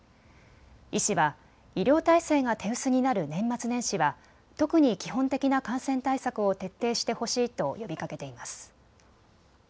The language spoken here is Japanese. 医師は医療体制が手薄になる年末年始は特に基本的な感染対策を徹底してほしいと呼びかけています。